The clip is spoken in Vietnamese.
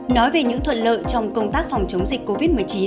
nói về những thuận lợi trong công tác phòng chống dịch covid một mươi chín